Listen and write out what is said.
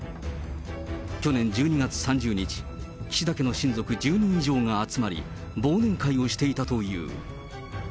去年１２月３０日、岸田家の親族１０人以上が集まり、忘年会をしていたという。